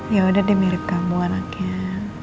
yaudah deh mirip kamu anaknya